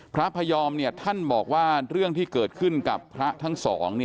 พระพยอมท่านบอกว่าเรื่องที่เกิดขึ้นกับพระทั้งสอง